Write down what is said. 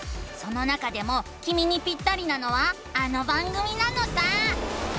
その中でもきみにピッタリなのはあの番組なのさ！